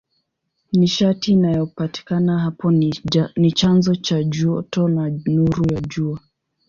Nishati inayopatikana hapo ni chanzo cha joto na nuru ya Jua.